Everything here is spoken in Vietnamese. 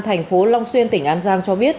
thành phố long xuyên tỉnh an giang cho biết